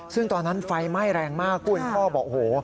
ซึ่งตอนนั้นไฟไหม้แรงมากคุณพ่อบอกโอ้โห